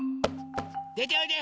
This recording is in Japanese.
でておいで！